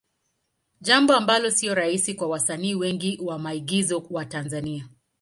Jambo ambalo sio rahisi kwa wasanii wengi wa maigizo wa Tanzania.